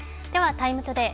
「ＴＩＭＥ，ＴＯＤＡＹ」